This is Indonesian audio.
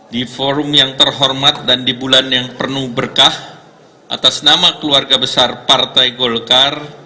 di forum yang terhormat dan di bulan yang penuh berkah atas nama keluarga besar partai golkar